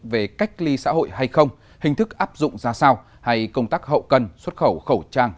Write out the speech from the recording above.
về cách ly xã hội hay không hình thức áp dụng ra sao hay công tác hậu cần xuất khẩu khẩu trang